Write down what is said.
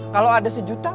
kalau ada sejuta dua ribu